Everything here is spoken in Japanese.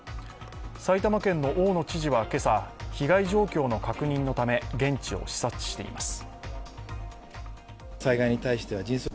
埼玉県の大野知事は今朝、被害状況の確認のため現地を視察しています。